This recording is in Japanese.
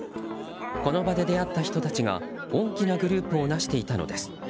この場で出会った人たちが大きなグループをなしていたのです。